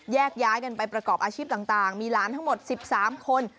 แยกย้ายกันไปประกอบอาชีพต่างมีหลานทั้งหมด๑๓คน